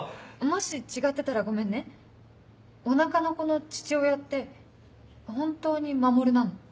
もし違ってたらごめんねお腹の子の父親って本当に守なの？